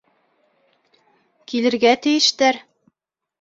Килергә тейештәр.